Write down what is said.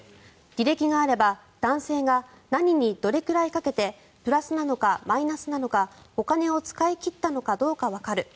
履歴があれば男性が何にどれくらい賭けてプラスなのかマイナスなのかお金を使い切ったのかどうかわかる。